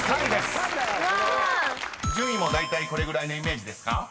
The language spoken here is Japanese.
［順位もだいたいこれぐらいのイメージですか？］